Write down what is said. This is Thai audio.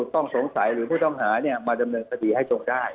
ต้องสงสัยหรือผู้ต้องหามาดำเนินคดีให้ตรงได้